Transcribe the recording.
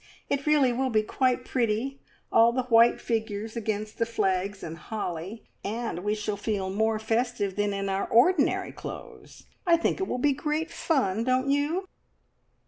It really will be quite pretty all the white figures against the flags and holly, and we shall feel more festive than in our ordinary clothes. I think it will be great fun, don't you?"